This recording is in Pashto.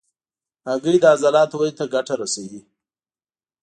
هګۍ د عضلاتو ودې ته ګټه رسوي.